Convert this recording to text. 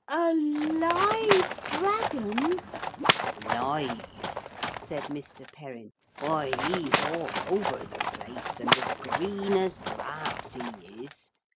'A live dragon?' 'Live!' said Mr. Perrin. 'Why he's all over the place and as green as grass he is.